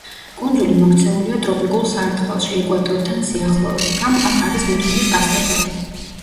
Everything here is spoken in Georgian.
კუნძული მოქცეულია ტროპიკულ სარტყელში, ეკვატორთან სიახლოვეს გამ აქ არის მუდმივი პასატები.